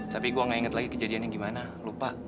tapi gue gak inget lagi kejadian yang gimana lupa